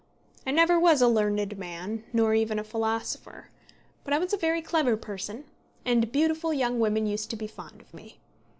I never was a learned man, nor even a philosopher. But I was a very clever person, and beautiful young women used to be fond of me.